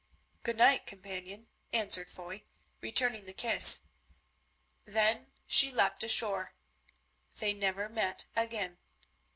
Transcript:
"Good night, companion," answered Foy, returning the kiss. Then she leapt ashore. They never met again.